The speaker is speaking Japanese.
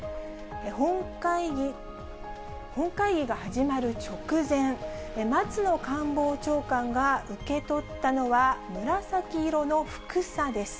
本会議が始まる直前、松野官房長官が受け取ったのは、紫色のふくさです。